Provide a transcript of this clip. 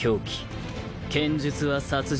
剣術は殺人術。